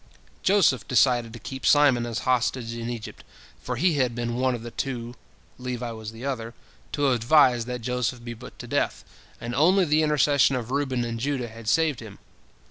Joseph decided to keep Simon as hostage in Egypt, for he had been one of the two—Levi was the other—to advise that Joseph be put to death, and only the intercession of Reuben and Judah had saved him.